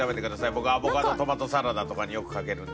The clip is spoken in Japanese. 僕アボカドトマトサラダとかによくかけるんで。